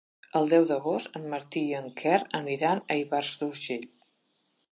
El deu d'agost en Martí i en Quer aniran a Ivars d'Urgell.